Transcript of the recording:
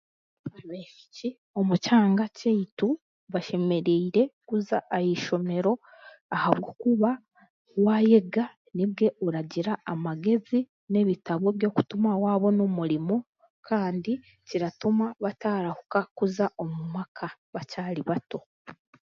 Abaishiki omu kyanga kyaitu bashemereire kuza aha ishomero ahabwokuba waayega nibwo orikufuna amagezi n'ebitabo by'okufuna omurimo kandi kiratuma bataarahuka kuza omu maka bakyari bato